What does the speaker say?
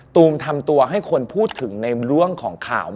ตูมทำตัวให้คนพูดถึงในเรื่องของข่าว